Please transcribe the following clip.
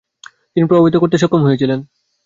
তিনি প্রভাবিত করতে সক্ষম হয়েছিলেন।